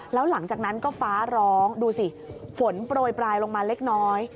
แล้วหลังจากนั้นก็ฟ้าร้องดูสิฝนโปรยปลายลงมาเล็กน้อย